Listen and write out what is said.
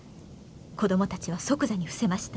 子どもたちは即座に伏せました」。